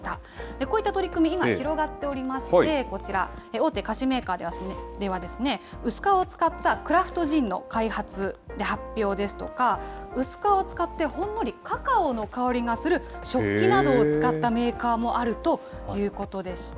こういった取り組み、今、広がっておりまして、こちら、大手菓子メーカーでは、薄皮を使ったクラフトジンの開発、発表ですとか、薄皮を使ってほんのりカカオの香りがする食器などを使ったメーカーもあるということでした。